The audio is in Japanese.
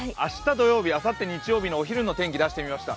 土曜日、あさって日曜日のお昼の天気、出してみました。